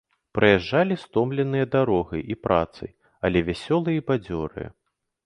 Прыязджалі стомленыя дарогай і працай, але вясёлыя і бадзёрыя.